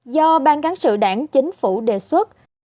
do ban cán sự đảng chính phủ đề xuất